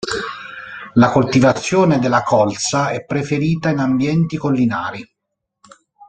La coltivazione della colza è preferita in ambienti collinari.